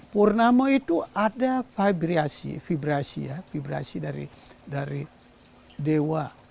purnama itu ada vibrasi dari dewa